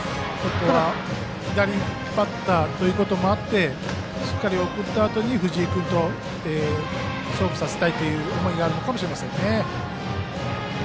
左バッターということもあってしっかり送ったあとに藤井君と勝負させたいという思いがあるかもしれません。